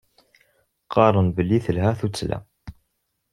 Qqaren belli telha tuttla.